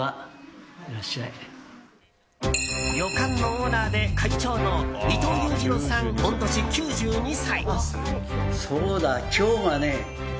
旅館のオーナーで会長の伊藤雄次郎さん、御年９２歳。